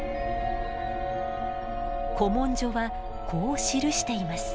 古文書はこう記しています。